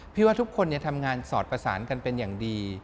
ว่าทุกคนทำงานสอดประสานกันเป็นอย่างดี